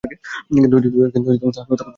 কিন্তু তাহার কথা শোনে কে?